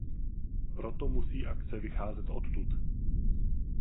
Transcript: Proto musí akce vycházet odtud.